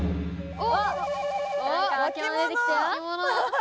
お！